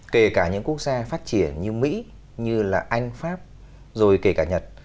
kể cả những quốc gia phát triển như mỹ như là anh pháp rồi kể cả nhật